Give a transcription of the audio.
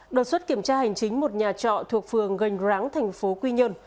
đột xuất kiểm tra hành chính một nhà trọ thuộc phường gành ráng thành phố quy nhơn